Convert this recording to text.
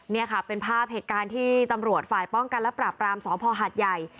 นี่ค่ะเป็นภาพเหตุการณ์ที่ตำรวจฝ่ายป้องกันและปราบรามสพหัดใหญ่